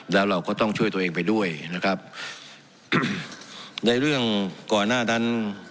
แล้วเราก็ต้องช่วยตัวเองไปด้วยนะครับในเรื่องก่อนหน้านั้น